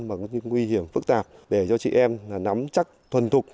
mà những nguy hiểm phức tạp để cho chị em nắm chắc thuần thục